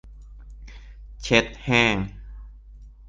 เช็ดแห้ง